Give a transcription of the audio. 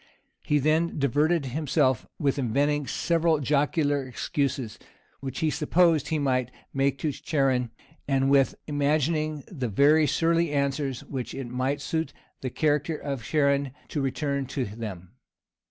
He then diverted himself with inventing several jocular excuses, which he supposed he might make to Charon, and with imagining the very surly answers which it might suit the character of Charon to return to them.